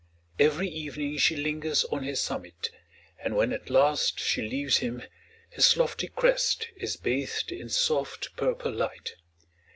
Every evening she lingers on his summit, and when at last she leaves him, his lofty crest is bathed in soft purple light.